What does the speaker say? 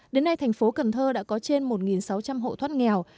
đến nay thành phố cần thơ đã có trên một sáu trăm linh hộ thoát nghèo